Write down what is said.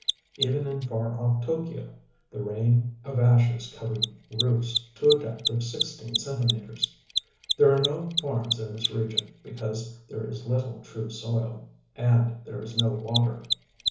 Even in far off T┼Źky┼Ź the rain of ashes covered roofs to a depth of sixteen centimetres. There are no farms in this region, because there is little true soil; and there is no water.